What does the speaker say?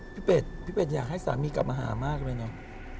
พี่เป็ดพี่เป็ดอยากให้สามีกลับมาหามากมั้ยเนี่ย